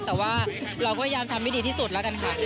แต่ว่าเราก็พยายามทำให้ดีที่สุดแล้วกันค่ะ